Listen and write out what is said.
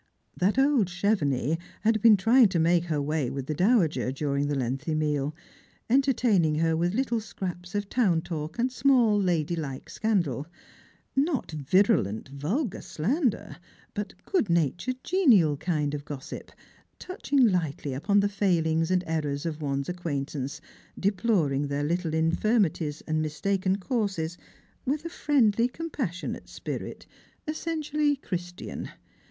" That old Chevenix" had been trying to make her way with the dowager during the lengthy meal, entertaining her with little scraps of town talk and small lady like scandal ; not viru lent vulgar slander, but good natured genial kind of gossip, touching lightly upon the failings and errors of one's acquaint ance, deploring their little infirmities and mistaken courses with 96 Strangers and Pilgrims. a friendly compassionate spirit, essentially Christain.